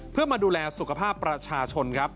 เพื่อมาดูแลสุขภาพประชาชนครับ